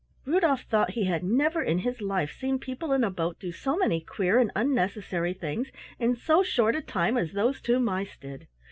Rudolf thought he had never in his life seen people in a boat do so many queer and unnecessary things in so short a time as those two mice did.